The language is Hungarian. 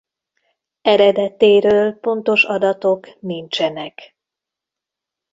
Eredetéről pontos adatok nincsenek.